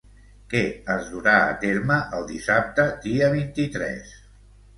Què es durà a terme el dissabte dia vint-i-tres?